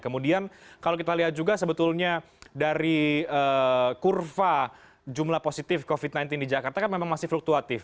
kemudian kalau kita lihat juga sebetulnya dari kurva jumlah positif covid sembilan belas di jakarta kan memang masih fluktuatif